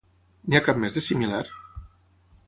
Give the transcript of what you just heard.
N'hi ha cap més de similar?